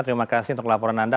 terima kasih untuk laporan anda